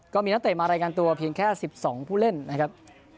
ก็มีนักเตะมารายงานตัวเพียงแค่๑๒ผู้เล่นนะครับ